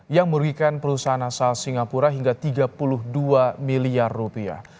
yang merugikan perusahaan asal singapura hingga tiga puluh dua miliar rupiah